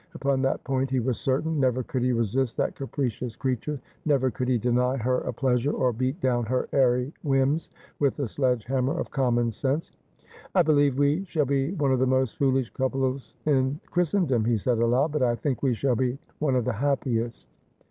Upon that point he was certain. Never could he resist that capricious creature ; never could he deny her a pleasure, or beat down her airy whims with the sledge hammer of common sense. ' I believe we shall be one of the most foolish couples in Christendom,' he said aloud ;' but I think we shall be one of the happiest.'